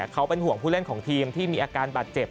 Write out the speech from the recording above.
เขาเป็นห่วงผู้เล่นของทีมที่มีอาการบาดเจ็บ